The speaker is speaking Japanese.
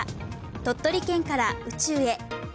鳥取県から宇宙へ。